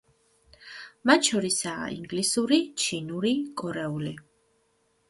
მათ შორისაა ინგლისური, ჩინური, კორეული.